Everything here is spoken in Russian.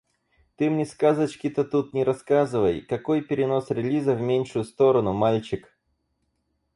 Ты мне сказочки-то тут не рассказывай! Какой перенос релиза в меньшую сторону, мальчик?